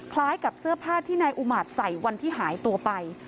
คล้ายกับเสื้อผ้าที่นายอุมาตย์ใส่วันที่หายตัวไป